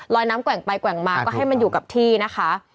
น้ำแกว่งไปแกว่งมาก็ให้มันอยู่กับที่นะคะ